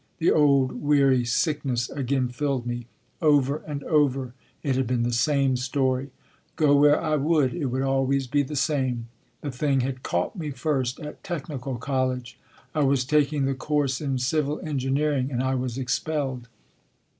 The old, weary sickness again filled me. Over and over it had been the same story. Go where I would, it would always be the same. The thing had caught me first at Technical College I was taking the course in civil engineering and I was expelled.